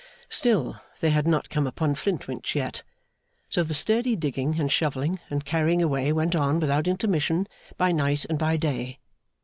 Still, they had not come upon Flintwinch yet; so the sturdy digging and shovelling and carrying away went on without intermission by night and by day.